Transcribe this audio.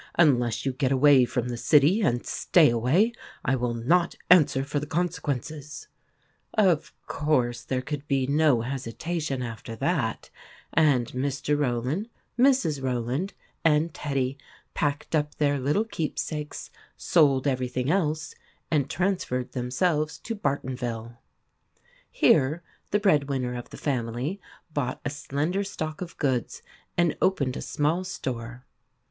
Unless you get away from the city, and stay away, I will not answer for the consequences !" Of course there could be no hesitation after that, and Mr. Row land, Mrs. Rowland, and Teddy packed up their little keepsakes, sold everything else, and transferred themselves to Bartonville. Here the breadwinner of the family bought a slender stock of * O goods and opened a small store.